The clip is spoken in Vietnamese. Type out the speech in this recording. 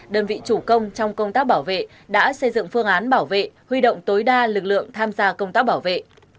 đơn vị chủ công trong công tác bảo vệ đã xây dựng phương án bảo vệ huy động tối đa lực lượng tham gia công tác bảo vệ